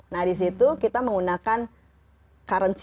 nah di situ kita menggunakan currency